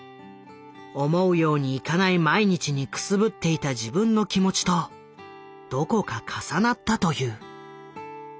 思うようにいかない毎日にくすぶっていた自分の気持ちとどこか重なったという。